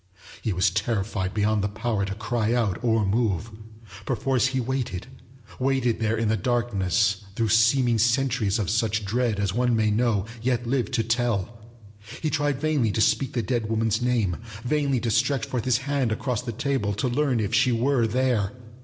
He was terrified beyond the power to cry out or move. Perforce he waited waited there in the darkness through seeming centuries of such dread as one may know, yet live to tell. He tried vainly to speak the dead woman's name, vainly to stretch forth his hand across the table to learn if she were there.